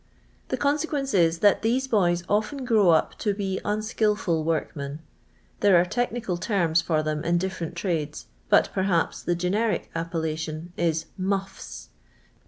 The consequence is, that those boys often grow up to be unskilful workmen. There arc technical terms for them in ditferent Umdes, but perhaps the generic appellation is "muflfs."